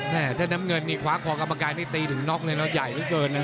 ถ้าน้ำเงินนี่คว้าคอกรรมการนี่ตีถึงน็อกเลยนะใหญ่เหลือเกินนะ